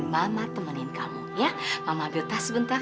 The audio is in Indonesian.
mama akan temani kamu ya mama ambil tas sebentar